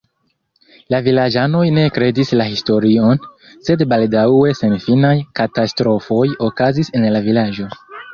La vilaĝanoj ne kredis la historion, sed baldaŭe senfinaj katastrofoj okazis en la vilaĝo.